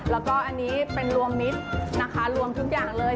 แล้วก็อันนี้เป็นรวมมิตรนะคะรวมทุกอย่างเลย